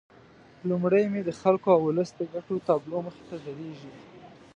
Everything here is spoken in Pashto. لومړی مې د خلکو او ولس د ګټو تابلو مخې ته درېږي.